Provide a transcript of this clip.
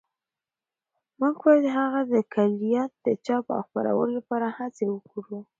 موږ باید د هغه د کلیات د چاپ او خپرولو لپاره هڅې وکړو.